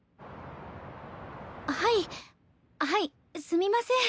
はいはいすみません。